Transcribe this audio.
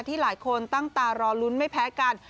หลายคนตั้งตารอลุ้นไม่แพ้กัน